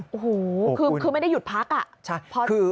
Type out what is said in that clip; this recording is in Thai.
โอ้โหคือไม่ได้หยุดพักอ่ะ